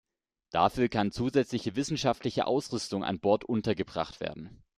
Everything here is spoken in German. Dafür kann zusätzliche wissenschaftliche Ausrüstung an Bord untergebracht werden.